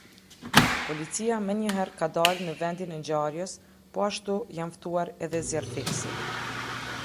"Policia menjëherë ka dalë në vendin e ngjarjes, po ashtu janë ftuar edhe zjarrfikësit.